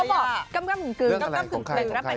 เขาบอกกำกำกึงคือเรื่องภรรยาไป